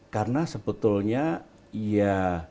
karena sebetulnya ya